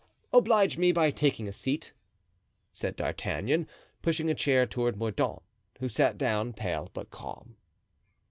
"Oblige me by taking a seat," said D'Artagnan, pushing a chair toward Mordaunt, who sat down, pale but calm.